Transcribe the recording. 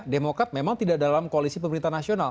demokrat memang tidak dalam koalisi pemerintah nasional